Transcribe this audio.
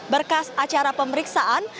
berkas acara pemeriksaan